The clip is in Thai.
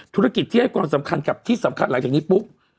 ธุรกิจที่ให้ความสำคัญกับที่สำคัญหลังจากนี้ปุ๊บ